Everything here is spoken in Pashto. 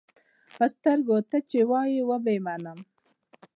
پۀ سترګو، تۀ چې وایې وبۀ یې منم.